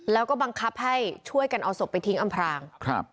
แล้วก็บังคับให้ช่วยกันเอาศพไปทิ้งอำพรางครับ